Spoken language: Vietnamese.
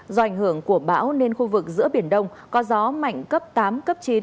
do ảnh hưởng của bão nên khu vực giữa biển đông có gió mạnh cấp tám cấp chín